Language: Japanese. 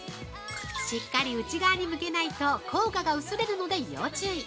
◆しっかり内側に向けないと効果が薄れるので要注意。